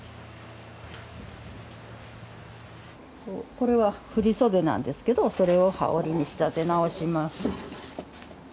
これは振り袖なんですけどそれを羽織に仕立て直します。